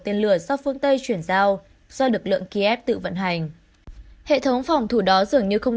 tên lửa do phương tây chuyển giao do lực lượng kiev tự vận hành hệ thống phòng thủ đó dường như không